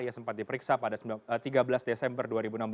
ia sempat diperiksa pada tiga belas desember dua ribu enam belas